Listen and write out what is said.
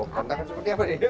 oh tantangan seperti apa nih